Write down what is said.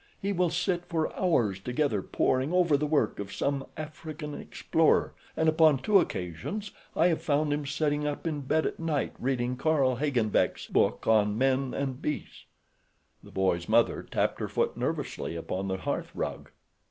He will sit for hours together poring over the work of some African explorer, and upon two occasions I have found him setting up in bed at night reading Carl Hagenbeck's book on men and beasts." The boy's mother tapped her foot nervously upon the hearth rug.